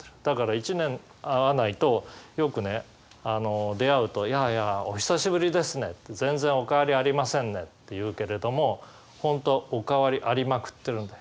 だから一年会わないとよくね出会うと「やあやあお久しぶりですね全然お変わりありませんね」って言うけれども本当はお変わりありまくってる。